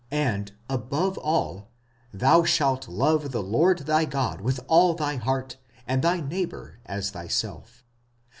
and above all, Thou shalt love the Lord thy God with ali thy heart, and thy neighbour as thyself.